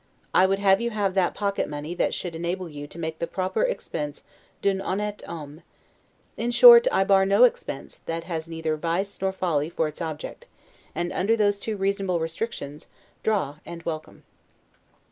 I would have you have that pocket money that should enable you to make the proper expense 'd'un honnete homme'. In short, I bar no expense, that has neither vice nor folly for its object; and under those two reasonable restrictions, draw, and welcome.